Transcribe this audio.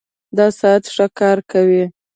دا ساعت ښه کار کوي